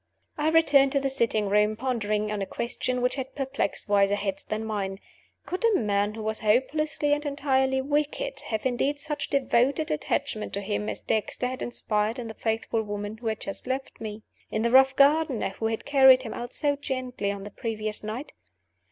I returned to the sitting room, pondering on a question which has perplexed wiser heads than mine. Could a man who was hopelessly and entirely wicked have inspired such devoted attachment to him as Dexter had inspired in the faithful woman who had just left me? in the rough gardener who had carried him out so gently on the previous night?